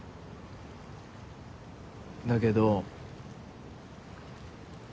だけど。